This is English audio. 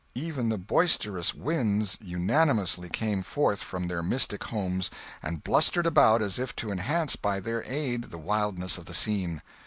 Even the boisterous winds unanimously came forth from their mystic homes, and blustered about as if to enhance by their aid the wildness of the scene.